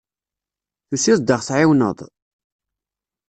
Tusiḍ-d ad ɣ-tεiwneḍ?